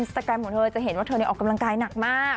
จะเห็นว่าเธอเนี่ยออกกำลังกายหนักมาก